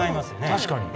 確かに。